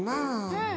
うん。